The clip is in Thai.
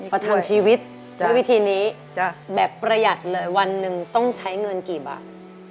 ประทวนชีวิตด้วยวิธีนี้แบบประหยัดเลยวันหนึ่งต้องใช้เงินกี่บาท